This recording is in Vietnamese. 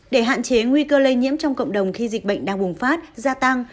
để hạn chế nguy cơ lây nhiễm trong cộng đồng khi dịch bệnh đang bùng phát gia tăng